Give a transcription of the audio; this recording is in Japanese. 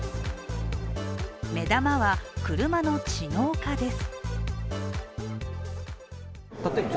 目玉は車の知能化です。